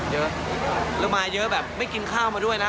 เยอะแล้วมาเยอะแบบไม่กินข้าวมาด้วยนะ